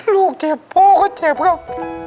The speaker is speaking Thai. ลูกเจ็บพ่อก็เจ็บครับ